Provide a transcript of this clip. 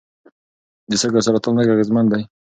د سږو سرطان لږ اغېزمن دی.